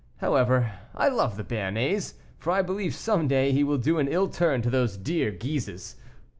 However, I love the Béarnais, for I believe some day he will do an ill turn to those dear Guises.